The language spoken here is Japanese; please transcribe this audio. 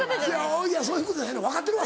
そういうことじゃないの分かってるわ